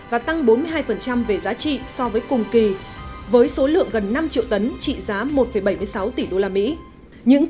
và tăng bốn mươi hai về giá trị so với cùng kỳ với số lượng gần năm triệu tấn trị giá một bảy mươi sáu tỷ usd